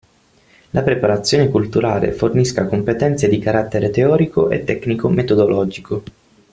La preparazione culturale fornisca competenze di carattere teorico e tecnico-metodologico.